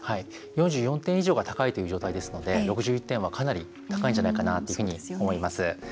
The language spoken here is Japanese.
４４点以上が高いという状態ですので６１点は、かなり高いんじゃないかなと思います。